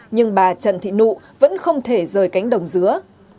nhưng bà trần thị nụ vẫn không thể rời cánh đồng dứa